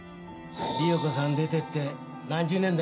理代子さん出ていって何十年だよ。